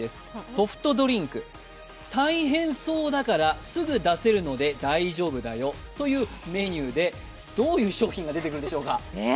ソフトドリンク、大変そうだから、すぐ出せるので大丈夫だよというメニューでどういう商品が出てくるでしょうか？